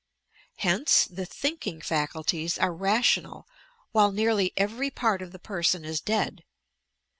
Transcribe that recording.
Hence, the thinking faculties are rational while nearly every part of the person is dead.